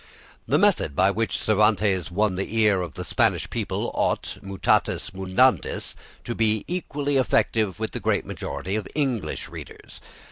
The method by which Cervantes won the ear of the Spanish people ought, mutatis mutandis, to be equally effective with the great majority of English readers.